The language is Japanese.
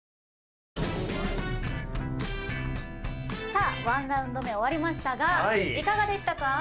さあ１ラウンド目終わりましたがいかがでしたか？